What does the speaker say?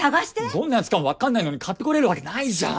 どんなやつかもわかんないのに買ってこれるわけないじゃん！